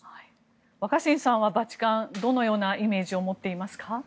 若新さんはバチカンどんなイメージ持っていますか。